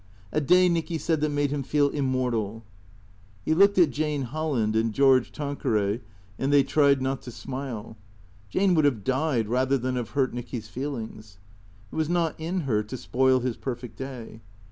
A day, Nicky said, that made him feel immortal. He looked at Jane Holland and George Tanqueray, and they tried not to smile. Jane would have died rather than have hurt Nicky's feelings. It was not in her to spoil his perfect day.